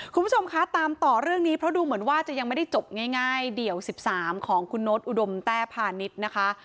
คุณผู้ชมคะตามต่อเรื่องนี้เพราะดูเหมือนว่าจะยังไม่ได้จบง่ายเดี่ยว๑๓ของคุณโน๊ตอุดมแต้พาณิชย์นะคะ